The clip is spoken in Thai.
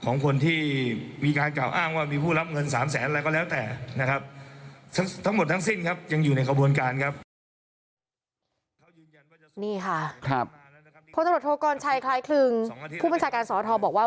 นี่ค่ะพศกรณ์ชัยคล้ายคลึงผู้บัญชาการสธบอกว่า